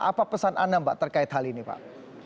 apa pesan anda mbak terkait hal ini pak